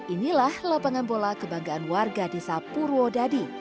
inilah lapangan bola kebanggaan warga desa purwodadi